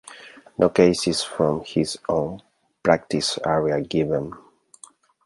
No cases from his own practice are given.